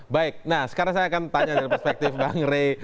baik nah sekarang saya akan tanya dari perspektif bang rey